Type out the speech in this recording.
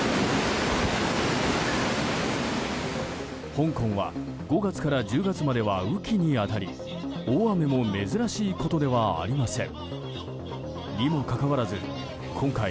香港は５月から１０月までは雨季に当たり大雨も珍しいことではありません。